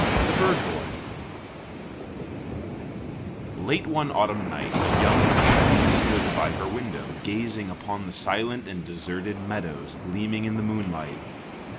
THE BIRD BOY Late one autumn night a young queen stood by her window, gazing upon the silent and deserted meadows gleaming in the moonlight.